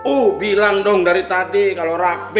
oh bilang dong dari tadi kalau rapi